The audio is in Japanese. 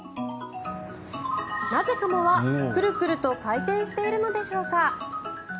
なぜカモはくるくると回転しているのでしょうか。